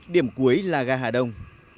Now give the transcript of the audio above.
điểm cuối là ga hà đông